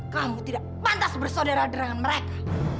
kamu tidak pantas bersaudara dengan mereka